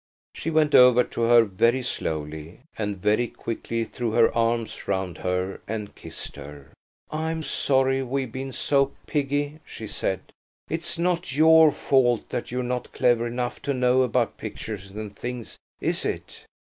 She went over to her very slowly, and very quickly threw her arms round her and kissed her. "I'm sorry we've been so piggy," she said. "It's not your fault that you're not clever enough to know about pictures and things, is it?"